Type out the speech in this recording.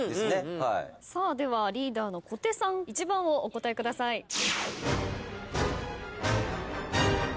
ではリーダーの小手さん１番をお答えください。